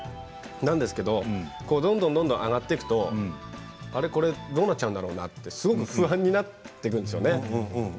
なんですけどどんどん上がっていくとこれどうなっちゃうんだろうなって不安になっていくんですよね。